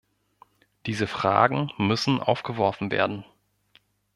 Diese Fragen müssen aufgeworfen werden.